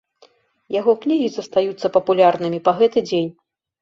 Яго кнігі застаюцца папулярнымі па гэты дзень.